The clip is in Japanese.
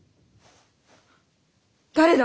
誰だ！